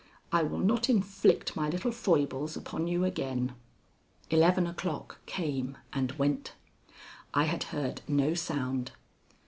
I will not inflict my little foibles upon you again. Eleven o'clock came and went. I had heard no sound.